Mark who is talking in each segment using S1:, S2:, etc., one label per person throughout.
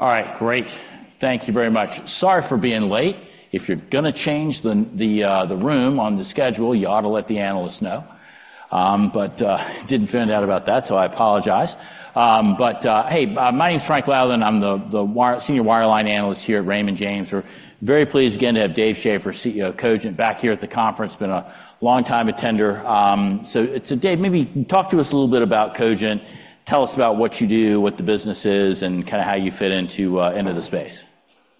S1: All right, great. Thank you very much. Sorry for being late. If you're going to change the room on the schedule, you ought to let the analysts know. But didn't find out about that, so I apologize. But hey, my name is Frank Louthan. I'm the Senior Wireline Analyst here at Raymond James. We're very pleased again to have Dave Schaeffer, CEO of Cogent, back here at the conference. Been a long-time attender. So Dave, maybe talk to us a little bit about Cogent. Tell us about what you do, what the business is, and kind of how you fit into the space.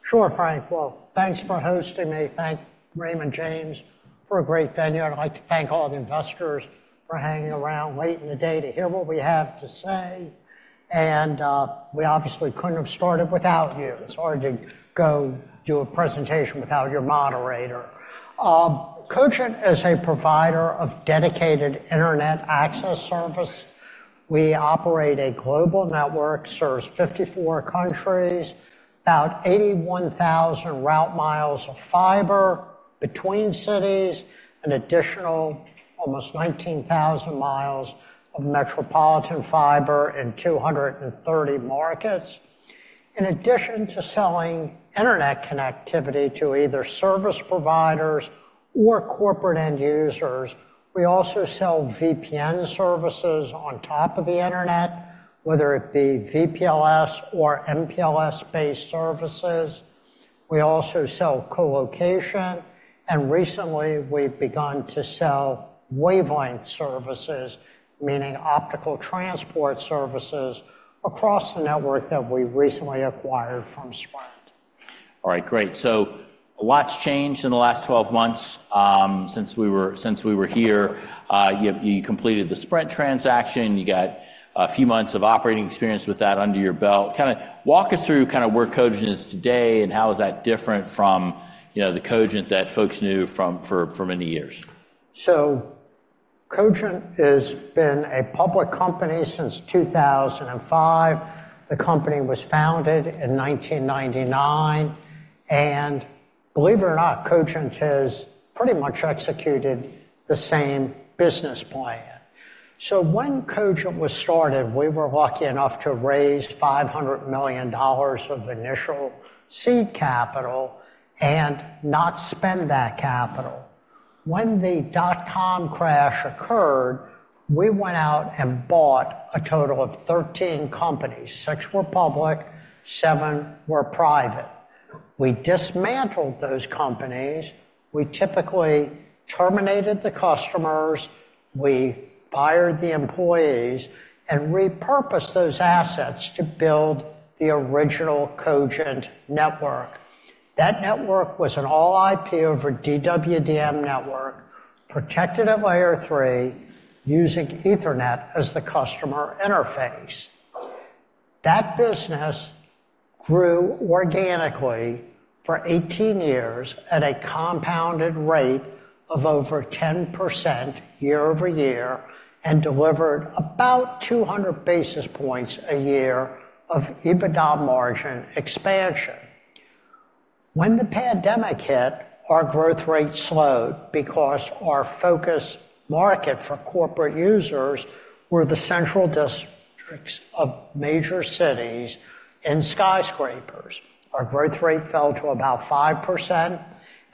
S2: Sure, Frank. Well, thanks for hosting me. Thank Raymond James for a great venue. I'd like to thank all the investors for hanging around, waiting all day to hear what we have to say. We obviously couldn't have started without you. It's hard to go do a presentation without your moderator. Cogent is a provider of dedicated internet access service. We operate a global network, serve 54 countries, about 81,000 route miles of fiber between cities, an additional almost 19,000 miles of metropolitan fiber in 230 markets. In addition to selling internet connectivity to either service providers or corporate end users, we also sell VPN services on top of the internet, whether it be VPLS or MPLS-based services. We also sell colocation. Recently, we've begun to sell wavelength services, meaning optical transport services, across the network that we recently acquired from Sprint.
S1: All right, great. So a lot's changed in the last 12 months since we were here. You completed the Sprint transaction. You got a few months of operating experience with that under your belt. Kind of walk us through kind of where Cogent is today and how is that different from the Cogent that folks knew from many years?
S2: So Cogent has been a public company since 2005. The company was founded in 1999. And believe it or not, Cogent has pretty much executed the same business plan. So when Cogent was started, we were lucky enough to raise $500 million of initial seed capital and not spend that capital. When the .com crash occurred, we went out and bought a total of 13 companies. Six were public, seven were private. We dismantled those companies. We typically terminated the customers. We fired the employees and repurposed those assets to build the original Cogent network. That network was an all-IP over DWDM network, protected at Layer 3, using Ethernet as the customer interface. That business grew organically for 18 years at a compounded rate of over 10% year-over-year and de-levered about 200 basis points a year of EBITDA margin expansion. When the pandemic hit, our growth rate slowed because our focus market for corporate users were the central districts of major cities and skyscrapers. Our growth rate fell to about 5%,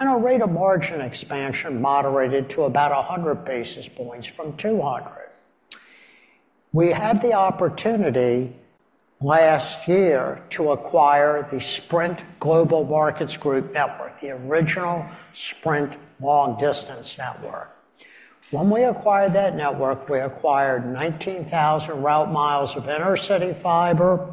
S2: and our rate of margin expansion moderated to about 100 basis points from 200. We had the opportunity last year to acquire the Sprint Global Markets Group network, the original Sprint Long Distance network. When we acquired that network, we acquired 19,000 route miles of inner-city fiber.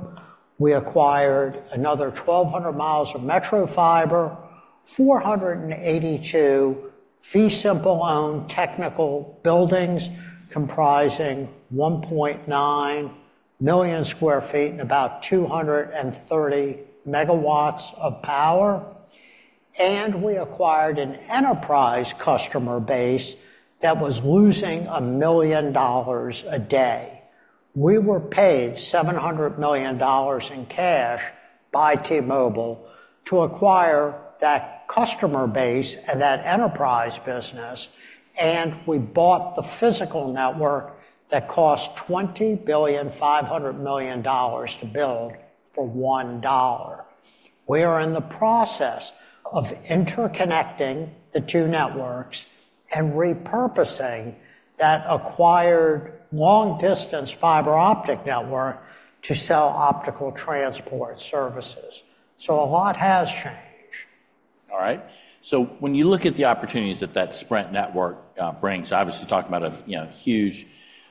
S2: We acquired another 1,200 miles of metro fiber, 482 fee-simple-owned technical buildings comprising 1.9 million sq ft and about 230 MW of power. We acquired an enterprise customer base that was losing $1 million a day. We were paid $700 million in cash by T-Mobile to acquire that customer base and that enterprise business. We bought the physical network that cost $20.5 billion to build for $1. We are in the process of interconnecting the two networks and repurposing that acquired long-distance fiber optic network to sell optical transport services. So a lot has changed.
S1: All right. So when you look at the opportunities that that Sprint network brings obviously, talking about a huge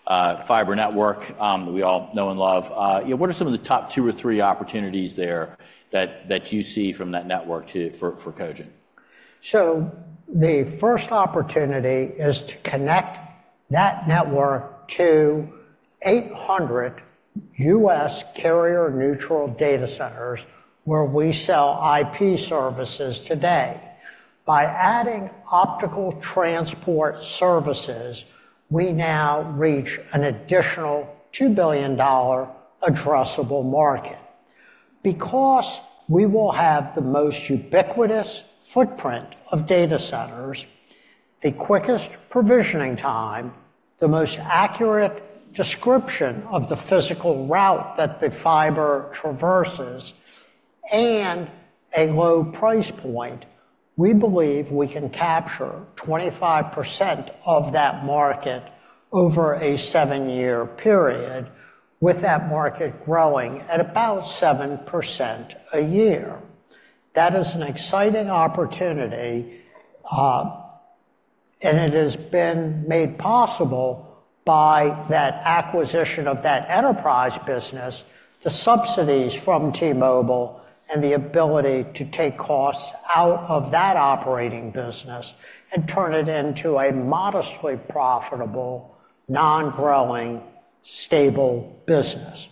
S1: fiber network that we all know and love, what are some of the top two or three opportunities there that you see from that network for Cogent?
S2: The first opportunity is to connect that network to 800 U.S. carrier-neutral data centers where we sell IP services today. By adding optical transport services, we now reach an additional $2 billion addressable market because we will have the most ubiquitous footprint of data centers, the quickest provisioning time, the most accurate description of the physical route that the fiber traverses, and a low price point. We believe we can capture 25% of that market over a 7-year period with that market growing at about 7% a year. That is an exciting opportunity. It has been made possible by that acquisition of that enterprise business, the subsidies from T-Mobile, and the ability to take costs out of that operating business and turn it into a modestly profitable, non-growing, stable business.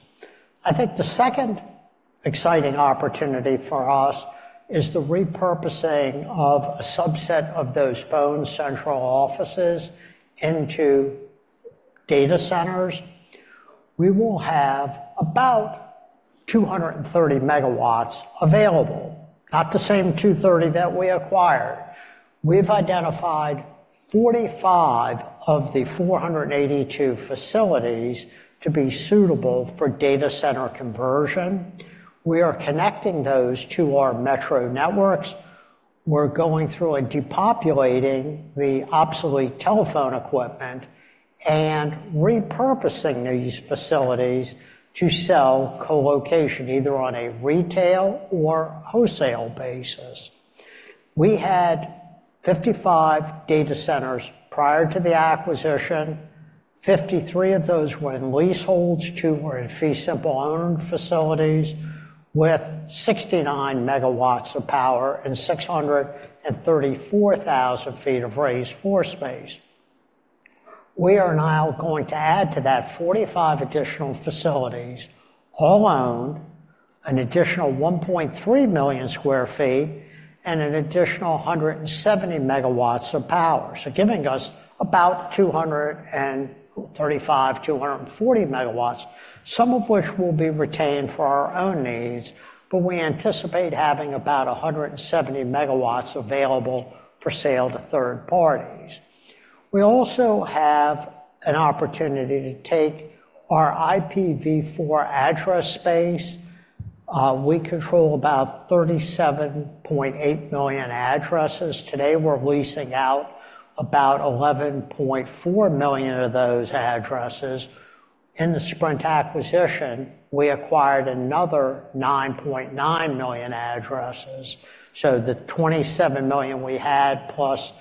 S2: I think the second exciting opportunity for us is the repurposing of a subset of those phone central offices into data centers. We will have about 230 MW available, not the same 230 MW that we acquired. We've identified 45 of the 482 facilities to be suitable for data center conversion. We are connecting those to our metro networks. We're going through and depopulating the obsolete telephone equipment and repurposing these facilities to sell colocation, either on a retail or wholesale basis. We had 55 data centers prior to the acquisition. 53 of those were in leaseholds. Two were in fee-simple-owned facilities with 69 MW of power and 634,000 feet of raised floor space. We are now going to add to that 45 additional facilities, all owned, an additional 1.3 million sq ft and an additional 170 MW of power, so giving us about 235-240 MW, some of which will be retained for our own needs. But we anticipate having about 170 MW available for sale to third-parties. We also have an opportunity to take our IPv4 address space. We control about 37.8 million addresses. Today, we're leasing out about 11.4 million of those addresses. In the Sprint acquisition, we acquired another 9.9 million addresses. So the 27 million we had plus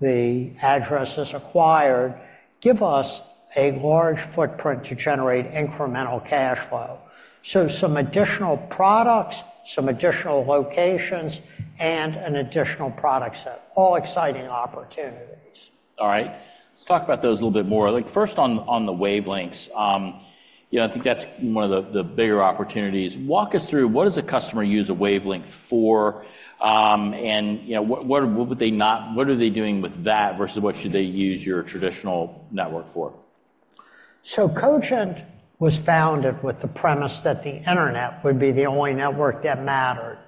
S2: the addresses acquired give us a large footprint to generate incremental cash flow. So some additional products, some additional locations, and an additional product set, all exciting opportunities.
S1: All right. Let's talk about those a little bit more. First, on the wavelengths, I think that's one of the bigger opportunities. Walk us through what does a customer use a wavelength for? And what are they doing with that versus what should they use your traditional network for?
S2: So Cogent was founded with the premise that the internet would be the only network that mattered.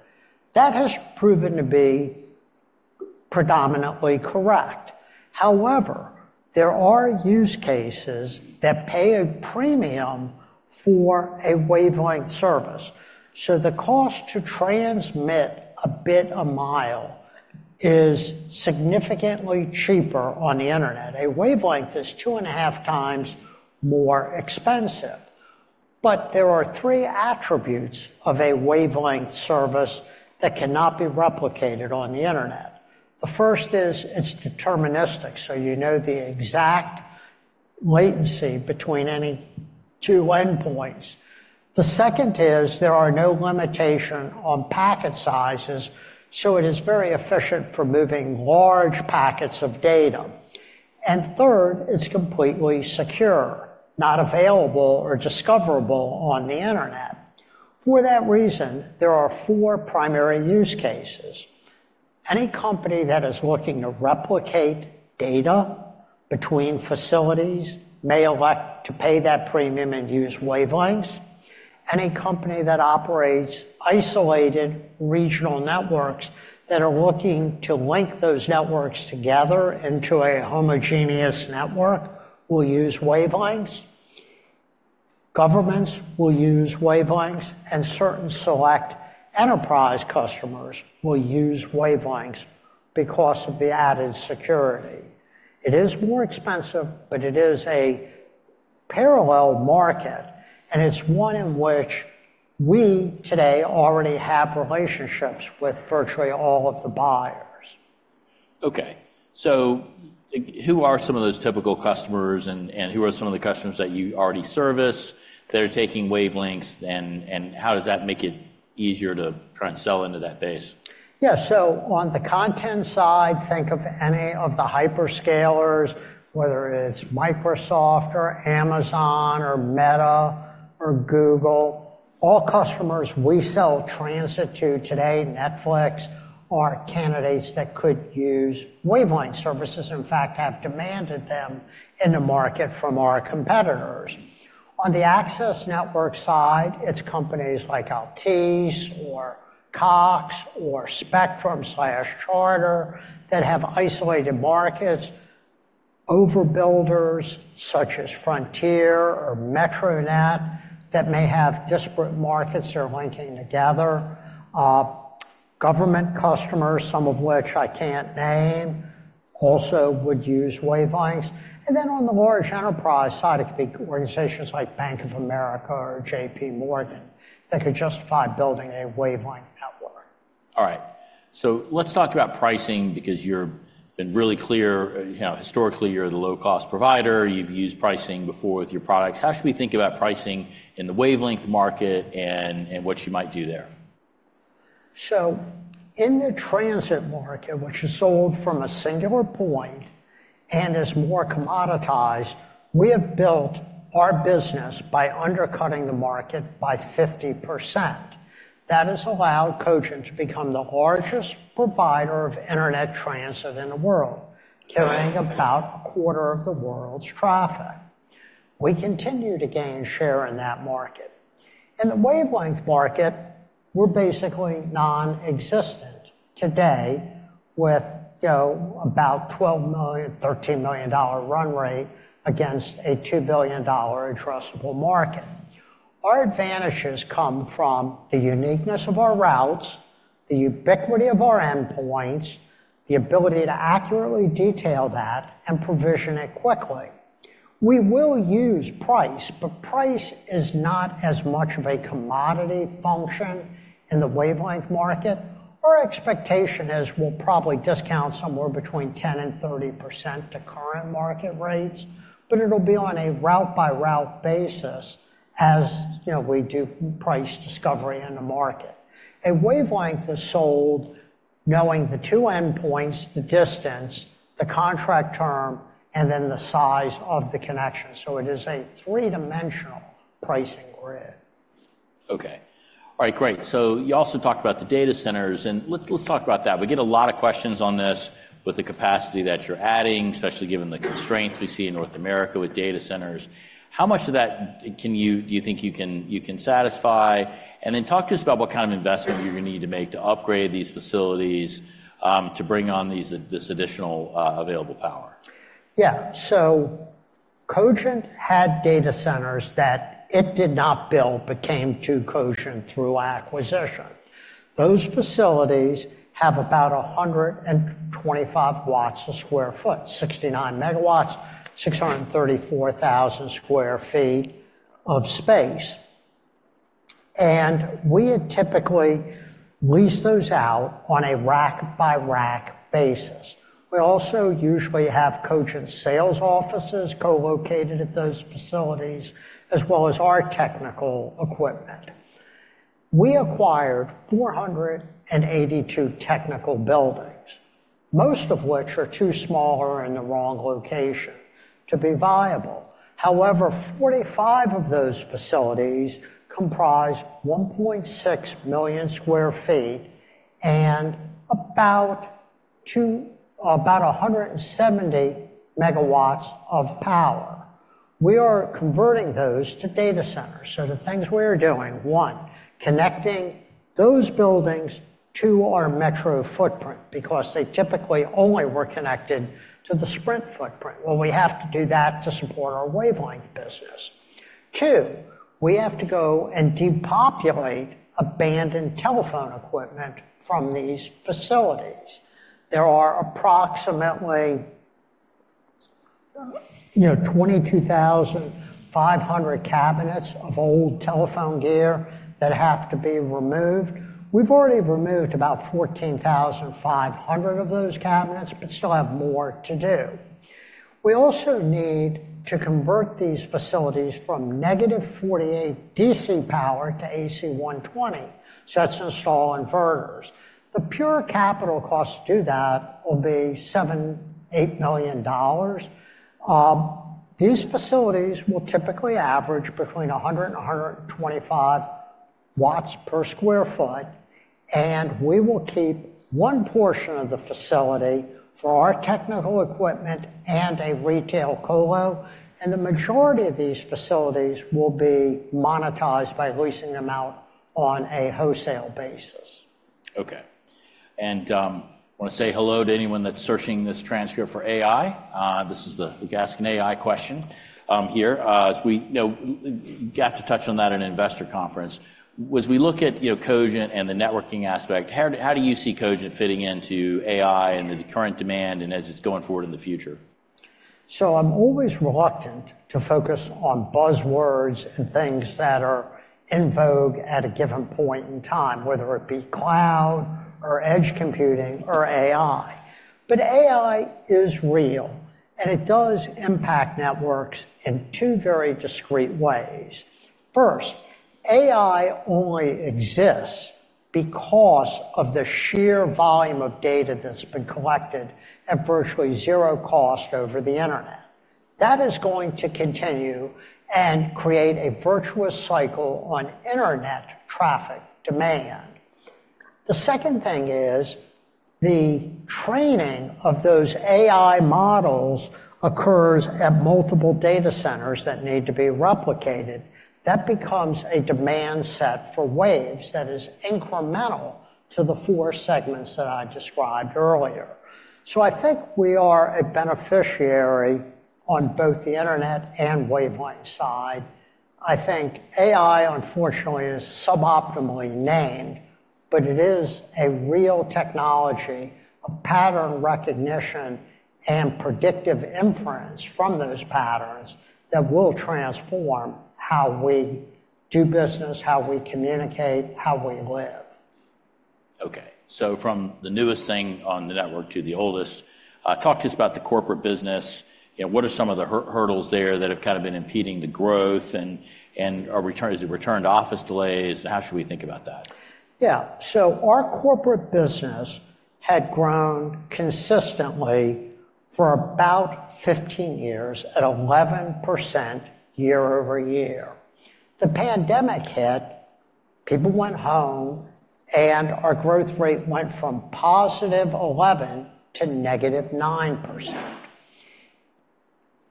S2: That has proven to be predominantly correct. However, there are use cases that pay a premium for a wavelength service. So the cost to transmit a bit a mile is significantly cheaper on the internet. A wavelength is 2.5x more expensive. But there are three attributes of a wavelength service that cannot be replicated on the internet. The first is it's deterministic. So you know the exact latency between any two endpoints. The second is there are no limitations on packet sizes. So it is very efficient for moving large packets of data. And third, it's completely secure, not available or discoverable on the internet. For that reason, there are four primary use cases. Any company that is looking to replicate data between facilities may elect to pay that premium and use wavelengths. Any company that operates isolated regional networks that are looking to link those networks together into a homogeneous network will use wavelengths. Governments will use wavelengths. Certain select enterprise customers will use wavelengths because of the added security. It is more expensive, but it is a parallel market. It's one in which we today already have relationships with virtually all of the buyers.
S1: OK. So who are some of those typical customers? And who are some of the customers that you already service that are taking wavelengths? And how does that make it easier to try and sell into that base?
S2: Yeah. So on the content side, think of any of the hyperscalers, whether it's Microsoft or Amazon or Meta or Google. All customers we sell transit to today, Netflix, are candidates that could use wavelength services. In fact, have demanded them in the market from our competitors. On the access network side, it's companies like Altice or Cox or Spectrum/Charter that have isolated markets, overbuilders such as Frontier or Metronet that may have disparate markets they're linking together, government customers, some of which I can't name, also would use wavelengths. And then on the large enterprise side, it could be organizations like Bank of America or JPMorgan that could justify building a wavelength network.
S1: All right. So let's talk about pricing because you've been really clear. Historically, you're the low-cost provider. You've used pricing before with your products. How should we think about pricing in the wavelength market and what you might do there?
S2: So in the transit market, which is sold from a singular point and is more commoditized, we have built our business by undercutting the market by 50%. That has allowed Cogent to become the largest provider of internet transit in the world, carrying about a quarter of the world's traffic. We continue to gain share in that market. In the wavelength market, we're basically nonexistent today with about $13 million run rate against a $2 billion addressable market. Our advantages come from the uniqueness of our routes, the ubiquity of our endpoints, the ability to accurately detail that and provision it quickly. We will use price but price is not as much of a commodity function in the wavelength market. Our expectation is we'll probably discount somewhere between 10%-30% to current market rates. But it'll be on a route-by-route basis as we do price discovery in the market. A wavelength is sold knowing the two endpoints, the distance, the contract term, and then the size of the connection. So it is a three-dimensional pricing grid.
S1: Okay. All right. Great. So you also talked about the data centers. And let's talk about that. We get a lot of questions on this with the capacity that you're adding, especially given the constraints we see in North America with data centers. How much of that do you think you can satisfy? And then talk to us about what kind of investment you're going to need to make to upgrade these facilities, to bring on this additional available power.
S2: Yeah. So Cogent had data centers that it did not build but came to Cogent through acquisition. Those facilities have about 125 watts a square foot, 69 MW, 634,000 sq ft of space. We had typically leased those out on a rack-by-rack basis. We also usually have Cogent sales offices collocated at those facilities, as well as our technical equipment. We acquired 482 technical buildings, most of which are too small in the wrong location to be viable. However, 45 of those facilities comprise 1.6 million sq ft and about 170 MW of power. We are converting those to data centers, so to things we are doing, one, connecting those buildings to our metro footprint because they typically only were connected to the Sprint footprint. Well, we have to do that to support our wavelength business. Two, we have to go and depopulate abandoned telephone equipment from these facilities. There are approximately 22,500 cabinets of old telephone gear that have to be removed. We've already removed about 14,500 of those cabinets but still have more to do. We also need to convert these facilities from negative 48 DC power to AC 120. So that's install inverters. The pure capital cost to do that will be $7 million, $8 million. These facilities will typically average between 100-125 watts per square foot. And we will keep one portion of the facility for our technical equipment and a retail colo. And the majority of these facilities will be monetized by leasing them out on a wholesale basis.
S1: Okay. And I want to say hello to anyone that's searching this transcript for AI. This is the asking AI question here. As we got to touch on that at an investor conference, as we look at Cogent and the networking aspect, how do you see Cogent fitting into AI and the current demand and as it's going forward in the future?
S2: So I'm always reluctant to focus on buzzwords and things that are in vogue at a given point in time, whether it be cloud or edge computing or AI. But AI is real. And it does impact networks in two very discrete ways. First, AI only exists because of the sheer volume of data that's been collected at virtually zero cost over the internet. That is going to continue and create a virtuous cycle on internet traffic demand. The second thing is the training of those AI models occurs at multiple data centers that need to be replicated. That becomes a demand set for waves that is incremental to the four segments that I described earlier. So I think we are a beneficiary on both the internet and wavelength side. I think AI, unfortunately, is suboptimally named. It is a real technology of pattern recognition and predictive inference from those patterns that will transform how we do business, how we communicate, how we live.
S1: Okay. So from the newest thing on the network to the oldest, talk to us about the corporate business. What are some of the hurdles there that have kind of been impeding the growth? And is it return to office delays? How should we think about that?
S2: Yeah. So our corporate business had grown consistently for about 15 years at 11% year-over-year. The pandemic hit. People went home. And our growth rate went from +11% to -9%.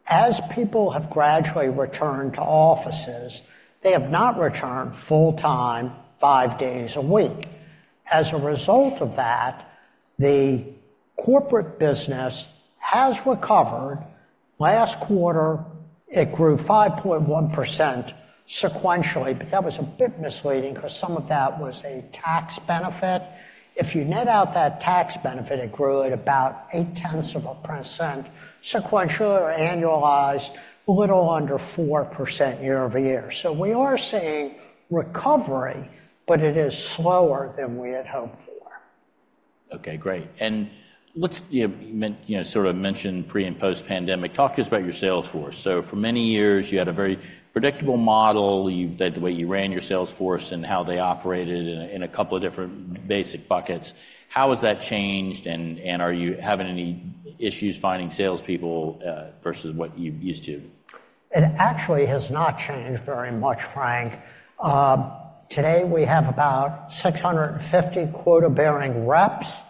S2: As people have gradually returned to offices, they have not returned full time five days a week. As a result of that, the corporate business has recovered. Last quarter, it grew 5.1% sequentially. But that was a bit misleading because some of that was a tax benefit. If you net out that tax benefit, it grew at about 0.8% sequentially or annualized, a little under 4% year-over-year. So we are seeing recovery. But it is slower than we had hoped for.
S1: OK. Great. And you sort of mentioned pre- and post-pandemic. Talk to us about your sales force. So for many years, you had a very predictable model, the way you ran your sales force and how they operated in a couple of different basic buckets. How has that changed? And are you having any issues finding salespeople versus what you used to?
S2: It actually has not changed very much, Frank. Today, we have about 650 quota-bearing reps.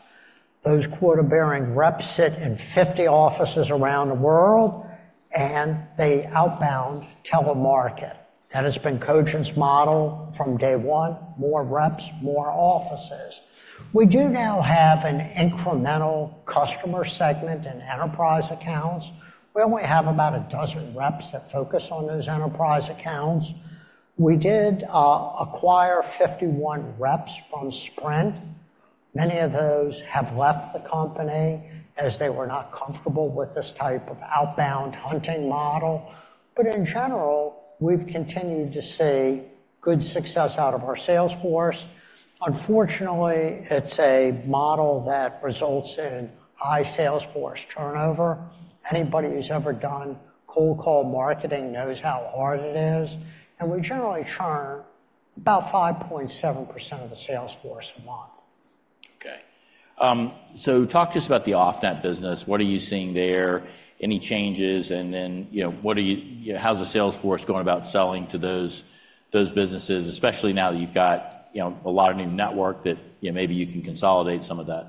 S2: Those quota-bearing reps sit in 50 offices around the world. They outbound telemarket. That has been Cogent's model from day one: more reps, more offices. We do now have an incremental customer segment in enterprise accounts. We only have about a dozen reps that focus on those enterprise accounts. We did acquire 51 reps from Sprint. Many of those have left the company as they were not comfortable with this type of outbound hunting model. But in general, we've continued to see good success out of our sales force. Unfortunately, it's a model that results in high sales force turnover. Anybody who's ever done cold call marketing knows how hard it is. We generally churn about 5.7% of the sales force a month.
S1: Okay. So talk to us about the Off-Net business. What are you seeing there? Any changes? And then how's the sales force going about selling to those businesses, especially now that you've got a lot of new network that maybe you can consolidate some of that?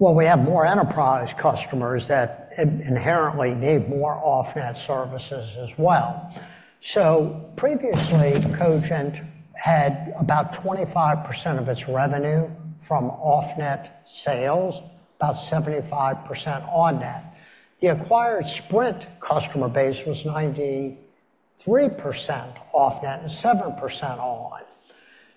S2: Well, we have more enterprise customers that inherently need more Off-Net services as well. So previously, Cogent had about 25% of its revenue from Off-Net sales, about 75% On-Net. The acquired Sprint customer base was 93% Off-Net and 7% On-Net.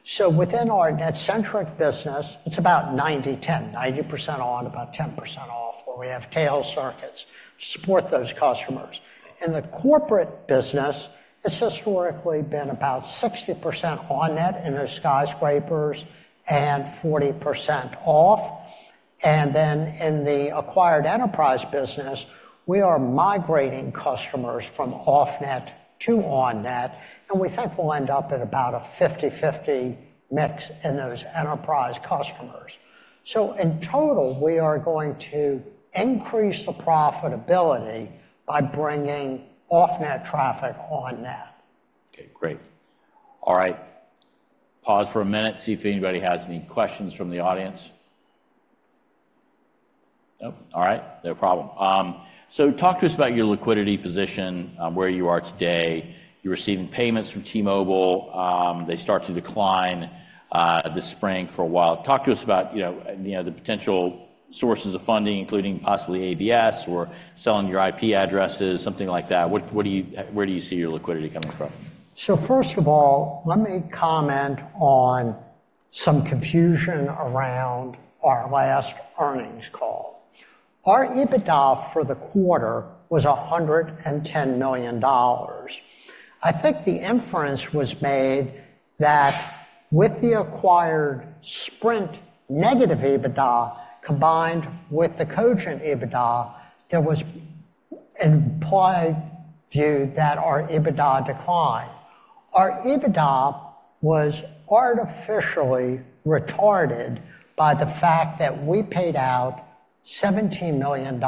S2: So within our net-centric business, it's about 90% On-Net, about 10% Off-Net, where we have tail circuits to support those customers. In the corporate business, it's historically been about 60% On-Net in those skyscrapers and 40% Off-Net. And then in the acquired enterprise business, we are migrating customers from Off-Net to On-Net. And we think we'll end up at about a 50/50 mix in those enterprise customers. So in total, we are going to increase the profitability by bringing Off-Net traffic On-Net.
S1: Okay. Great. All right. Pause for a minute. See if anybody has any questions from the audience. Nope. All right. No problem. So talk to us about your liquidity position, where you are today. You're receiving payments from T-Mobile. They start to decline this spring for a while. Talk to us about the potential sources of funding, including possibly ABS or selling your IP addresses, something like that. Where do you see your liquidity coming from?
S2: So first of all, let me comment on some confusion around our last earnings call. Our EBITDA for the quarter was $110 million. I think the inference was made that with the acquired Sprint negative EBITDA combined with the Cogent EBITDA, there was an implied view that our EBITDA declined. Our EBITDA was artificially retarded by the fact that we paid out $17 million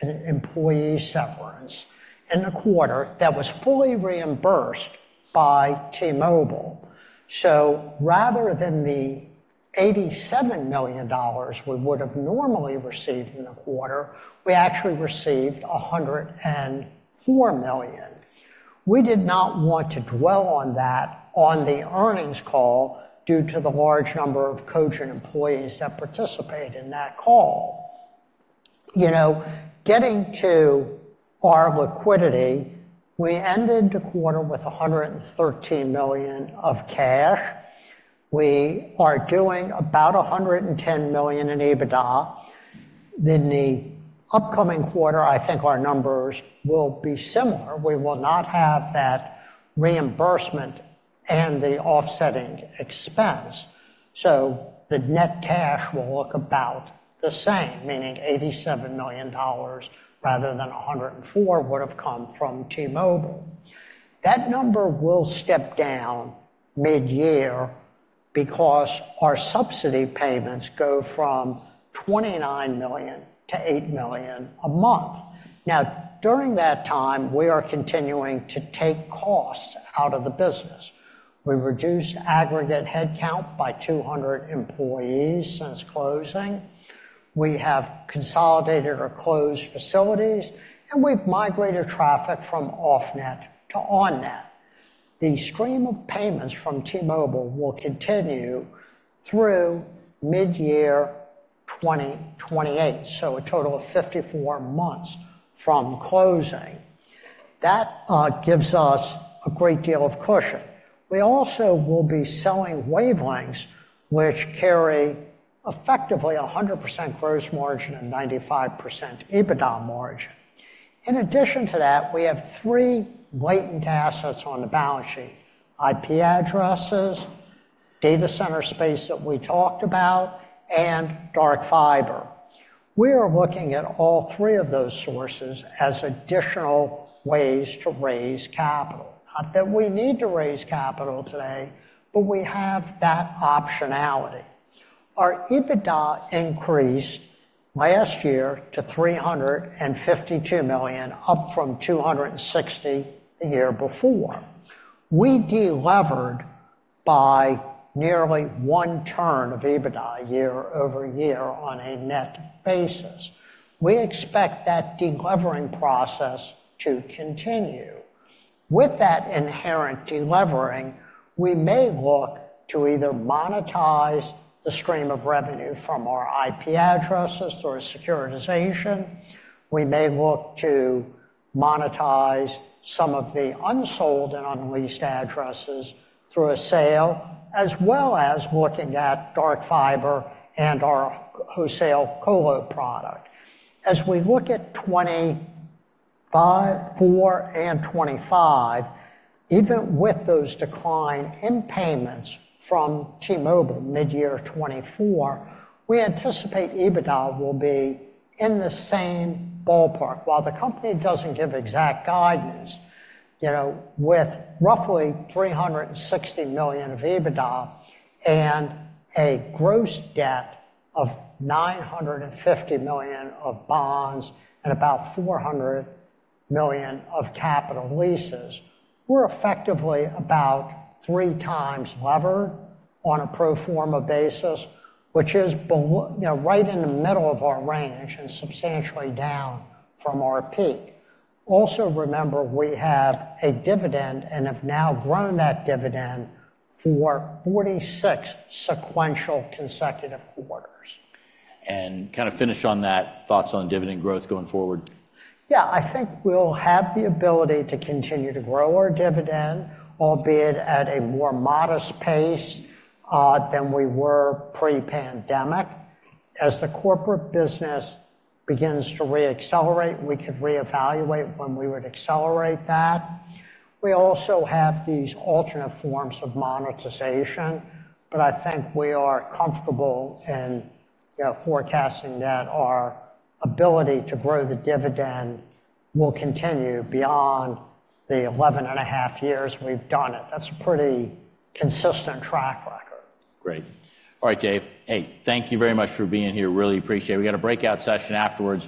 S2: in employee severance in the quarter that was fully reimbursed by T-Mobile. So rather than the $87 million we would have normally received in the quarter, we actually received $104 million. We did not want to dwell on that on the earnings call due to the large number of Cogent employees that participate in that call. Getting to our liquidity, we ended the quarter with $113 million of cash. We are doing about $110 million in EBITDA. In the upcoming quarter, I think our numbers will be similar. We will not have that reimbursement and the offsetting expense. The net cash will look about the same, meaning $87 million rather than $104 million would have come from T-Mobile. That number will step down mid-year because our subsidy payments go from $29 million to $8 million a month. Now, during that time, we are continuing to take costs out of the business. We reduced aggregate headcount by 200 employees since closing. We have consolidated or closed facilities. And we've migrated traffic from Off-Net to On-Net. The stream of payments from T-Mobile will continue through mid-year 2028, so a total of 54 months from closing. That gives us a great deal of cushion. We also will be selling wavelengths which carry effectively 100% gross margin and 95% EBITDA margin. In addition to that, we have three weighted assets on the balance sheet: IP addresses, data center space that we talked about, and dark fiber. We are looking at all three of those sources as additional ways to raise capital. Not that we need to raise capital today. But we have that optionality. Our EBITDA increased last year to $352 million, up from $260 million the year before. We de-levered by nearly one turn of EBITDA year-over-year on a net basis. We expect that de-levering process to continue. With that inherent de-levering, we may look to either monetize the stream of revenue from our IP addresses through a securitization. We may look to monetize some of the unsold and unleased addresses through a sale, as well as looking at dark fiber and our wholesale colo product. As we look at 2024 and 2025, even with those decline in payments from T-Mobile mid-year 2024, we anticipate EBITDA will be in the same ballpark. While the company doesn't give exact guidance, with roughly $360 million of EBITDA and a gross debt of $950 million of bonds and about $400 million of capital leases, we're effectively about 3x levered on a pro forma basis, which is right in the middle of our range and substantially down from our peak. Also, remember, we have a dividend and have now grown that dividend for 46 sequential consecutive quarters.
S1: Kind of finish on that, thoughts on dividend growth going forward?
S2: Yeah. I think we'll have the ability to continue to grow our dividend, albeit at a more modest pace than we were pre-pandemic. As the corporate business begins to reaccelerate, we could reevaluate when we would accelerate that. We also have these alternate forms of monetization. But I think we are comfortable in forecasting that our ability to grow the dividend will continue beyond the 11.5 years we've done it. That's a pretty consistent track record.
S1: Great. All right, Dave. Hey, thank you very much for being here. Really appreciate it. We got a breakout session afterwards.